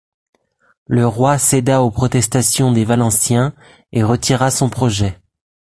Le roi céda aux protestations des Valenciens et retira son projet.